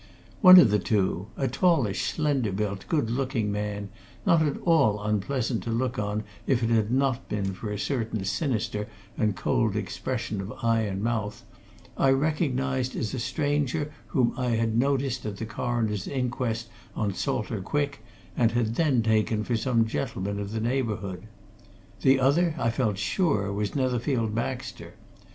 One of the two, a tallish, slender built, good looking man, not at all unpleasant to look on if it had not been for a certain sinister and cold expression of eye and mouth, I recognized as a stranger whom I had noticed at the coroner's inquest on Salter Quick and had then taken for some gentleman of the neighbourhood. The other, I felt sure, was Netherfield Baxter.